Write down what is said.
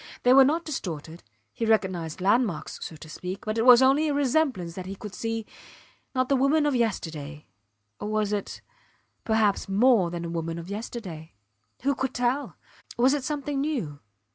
They were not distorted he recognized landmarks, so to speak; but it was only a resemblance that he could see, not the woman of yesterday or was it, perhaps, more than the woman of yesterday? Who could tell? Was it something new?